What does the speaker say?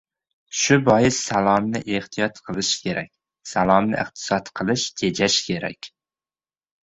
Shu bois, salomni ehtiyot qilish kerak. Salomni iqtisod qilish, tejash kerak.